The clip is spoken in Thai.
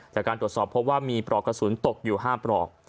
จากการตรวจสอบพบว่ามีปลอกกระสุนตกอยู่๕ปลอก